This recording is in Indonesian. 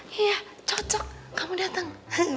iya cocok kamu datang